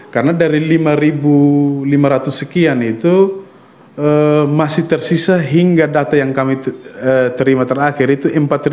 karena dari lima lima ratus sekian itu masih tersisa hingga data yang kami terima terakhir itu empat sembilan ratus empat puluh tiga